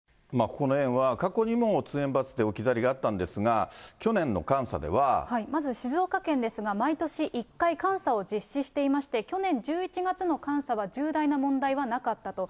ここの園は過去にも通園バスで置き去りがあったんですが、まず静岡県ですが、毎年１回、監査を実施していまして、去年１１月の監査は重大な問題はなかったと。